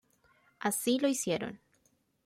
Así lo hicieron.